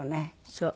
そう。